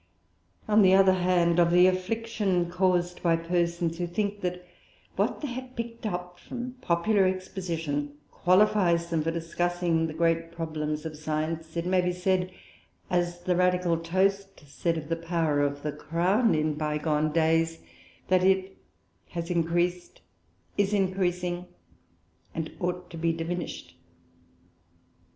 On the other hand, of the affliction caused by persons who think that what they have picked up from popular exposition qualifies them for discussing the great problems of science, it may be said, as the Radical toast said of the power of the Crown in bygone days, that it "has increased, is increasing, and ought to be diminished."